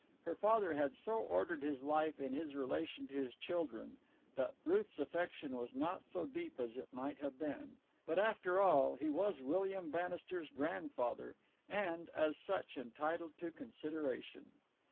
Her father had so ordered his life in his relation to his children that Ruth's affection was not so deep as it might have been; but, after all, he was William Bannister's grandfather, and, as such, entitled to consideration.